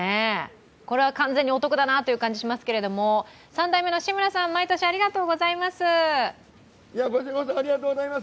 これは完全にお得だなという感じしますけれども３代目の志村さん、毎年ありがとうございます。